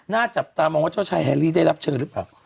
จับตามองว่าเจ้าชายแฮรี่ได้รับเชิญหรือเปล่า